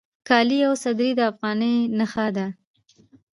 کالي او صدرۍ د افغاني نښه ده